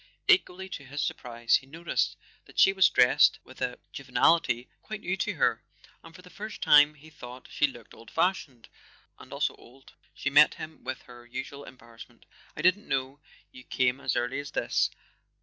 Equally to his surprise he noticed that she w r as dressed with a juvenility quite new to her; and for the first time he thought she looked old fashioned and also old. She met him with her usual embarrassment. "I didn't know you came as early as this.